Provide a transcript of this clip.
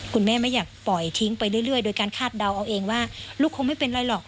คุณแม่ไม่อยากปล่อยทิ้งไปเรื่อยโดยการคาดเดาเอาเองว่าลูกคงไม่เป็นไรหรอก